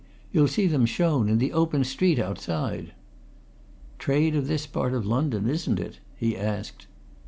"You'll see them shown in the open street outside." "Trade of this part of London, isn't it?" he asked.